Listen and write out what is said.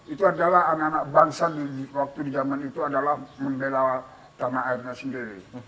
itu adalah anak anak bangsa waktu di zaman itu adalah membela tanah airnya sendiri